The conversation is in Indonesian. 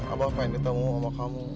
abah ingin bertemu sama kamu